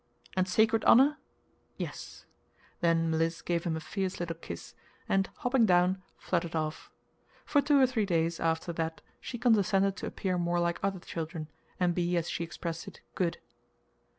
"And sacred honor?" "Yes." Then Mliss gave him a fierce little kiss, and, hopping down, fluttered off. For two or three days after that she condescended to appear more like other children, and be, as she expressed it, "good."